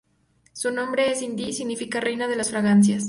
Su nombre en hindi significa "reina de las fragancias".